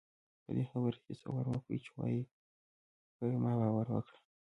پدې خبره هېڅ باور مکوئ چې وايي په ما باور وکړه